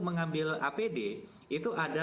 mengambil apd itu ada